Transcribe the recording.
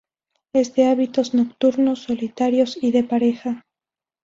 Es de hábitos nocturnos, solitarios y de pareja.